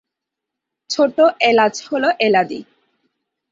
ছোটো এলাচ হল এলাদি।